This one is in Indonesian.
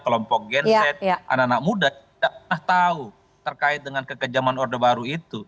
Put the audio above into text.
kelompok gen z anak anak muda tidak pernah tahu terkait dengan kekejaman orde baru itu